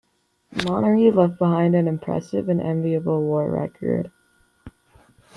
"Monterey" left behind an impressive and enviable war record.